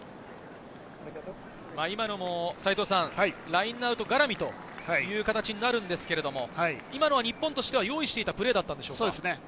今のもラインアウト絡みという形になるんですが、今のは日本としては用意していたプレーなんでしょうか？